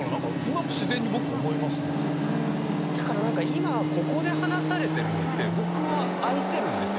今ここで話されてるのって僕は愛せるんですよ。